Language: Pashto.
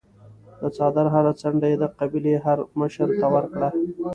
د څادر هره څنډه یې د قبیلې هرمشر ته ورکړه.